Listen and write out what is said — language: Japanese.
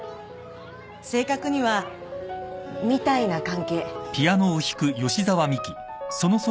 正確にはみたいな関係。